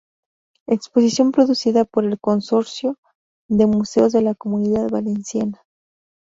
Exposición producida por el Consorcio de Museos de la Comunidad Valenciana.